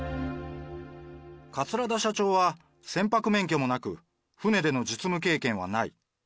桂田社長は船舶免許もなく、船での実務経験はない。